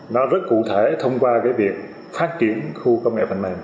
nó rất cụ thể thông qua cái việc phát triển khu công nghệ phần mềm